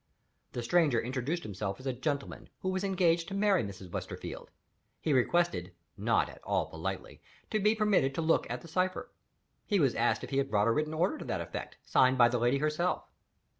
The stranger introduced himself as a gentleman who was engaged to marry Mrs. Westerfield: he requested (not at all politely) to be permitted to look at the cipher. He was asked if he had brought a written order to that effect, signed by the lady herself.